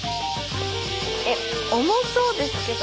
え重そうですけど。